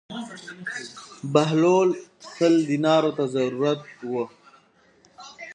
بهلول سل دینارو ته ضرورت و.